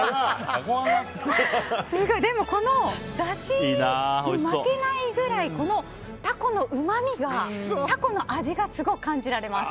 でもこのだしに負けないくらいこのタコのうまみがタコの味がすごい感じられます。